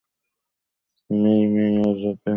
মেই-মেই, আজ রাতে তোমার পালা।